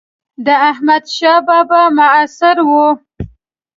د احمدشاه بابا معاصر و.